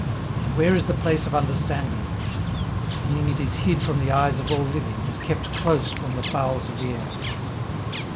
and where is the place of understanding? 18:028:021 Seeing it is hid from the eyes of all living, and kept close from the fowls of the air.